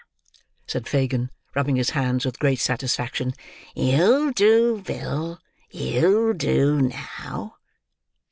said Fagin, rubbing his hands with great satisfaction. "You'll do, Bill; you'll do now."